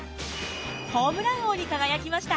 ホームラン王に輝きました。